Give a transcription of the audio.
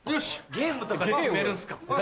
ゲームとかで決めるんすか？